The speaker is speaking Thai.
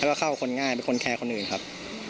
แล้วก็เข้าคนง่ายเป็นคนแคร์คนอื่นครับ